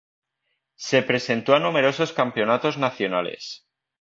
Se presentó a numerosos campeonatos nacionales.